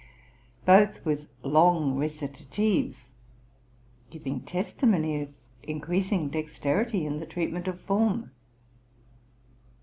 both with long recitatives, giving testimony to increasing dexterity in the treatment of form.